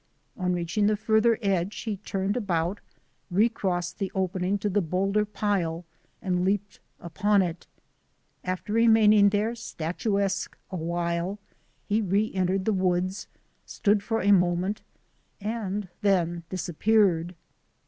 On reaching the farther edge he turned about, recrossed the opening to the boulder pile and leaped upon it. After remaining there, statu esque, awhile, he reentered the woods, stood for a moment, and then disappeared.